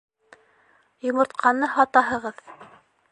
Йомортҡаны һатаһығыҙ.